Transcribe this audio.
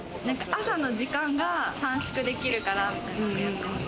朝の時間が短縮できるから。